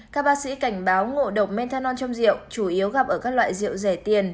các bác sĩ cảnh báo ngộ độc menthanol trong rượu chủ yếu gặp ở các loại rượu rẻ tiền